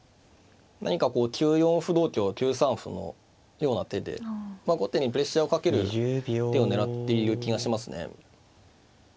何かこう９四歩同香９三歩のような手でまあ後手にプレッシャーをかける手を狙っている気がしますね。